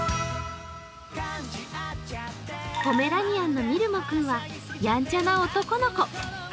ポメラニアンのみるも君はやんちゃな男の子。